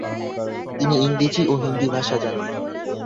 তিনি ইংরেজি ও হিন্দি ভাষা জানতেন।